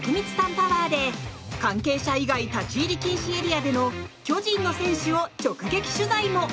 パワーで関係者以外立ち入り禁止エリアでの巨人の選手を直撃取材も。